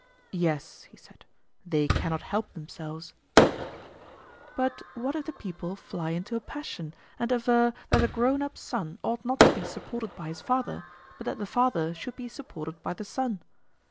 Yes, he said; they cannot help themselves. But what if the people fly into a passion, and aver that a grown up son ought not to be supported by his father, but that the father should be supported by the son?